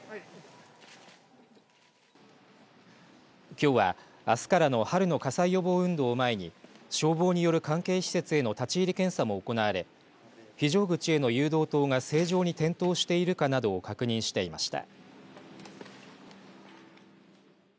きょうは、あすからの春の火災予防運動を前に消防による関係施設への立ち入り検査も行われ非常口への誘導灯が正常に点灯しているかなどを確認していました。